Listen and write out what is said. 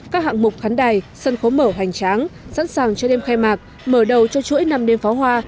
các hạng mục khán đài sân khấu mở hoành tráng sẵn sàng cho đêm khai mạc mở đầu cho chuỗi năm đêm pháo hoa